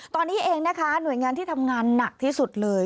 ตอนนี้เองนะคะหน่วยงานที่ทำงานหนักที่สุดเลย